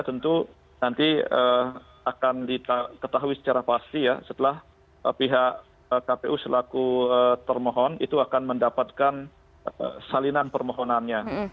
tentu nanti akan diketahui secara pasti ya setelah pihak kpu selaku termohon itu akan mendapatkan salinan permohonannya